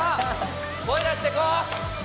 声出していこう！